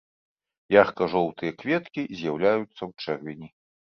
Ярка-жоўтыя кветкі з'яўляюцца ў чэрвені.